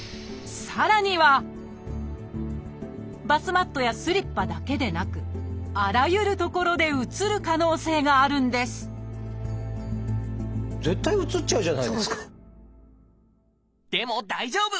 さらにはバスマットやスリッパだけでなくあらゆる所でうつる可能性があるんですでも大丈夫！